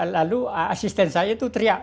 lalu asisten saya itu teriak